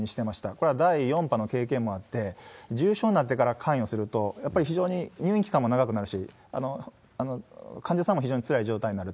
これは第４波の経験もあって、重症になってから関与すると、やっぱり非常に入院期間も長くなるし、患者さんも非常につらい状態になる。